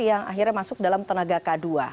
yang akhirnya masuk dalam tenaga k dua